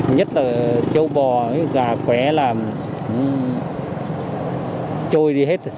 nhất là châu bò gà khỏe là trôi đi hết